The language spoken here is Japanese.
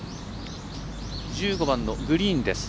１５番のグリーンです。